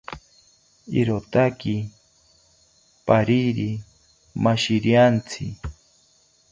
Irotaki parari mashiriantzi